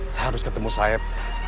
saya harus ketemu saeb